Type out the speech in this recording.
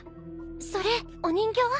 それお人形？